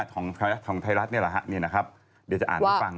ของทายรัฐนี่หรอได้จะอ่านฟัง